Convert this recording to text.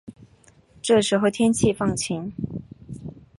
这时候天气放晴